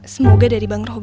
semoga dari bang robi